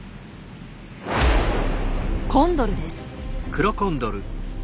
コンドルです。